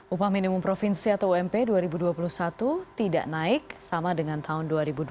upah minimum provinsi atau ump dua ribu dua puluh satu tidak naik sama dengan tahun dua ribu dua puluh